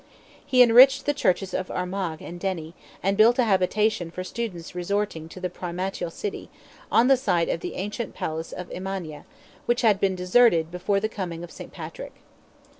He enriched the churches of Armagh and Derry, and built a habitation for students resorting to the primatial city, on the site of the ancient palace of Emania, which had been deserted before the coming of St. Patrick.